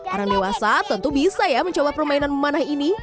orang dewasa tentu bisa ya mencoba permainan memanah ini